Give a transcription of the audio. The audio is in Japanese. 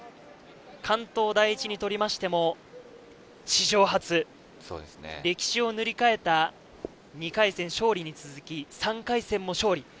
関東第一にとりましても史上初、歴史を塗り替えた２回戦勝利に続き、３回戦も勝利。